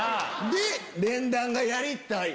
で連弾がやりたい。